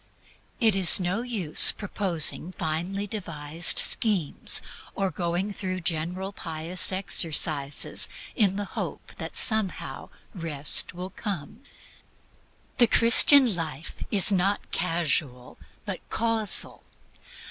It is no use proposing finely devised schemes, or going through general pious exercises in the hope that somehow Rest will come. The Christian life is not casual, but causal.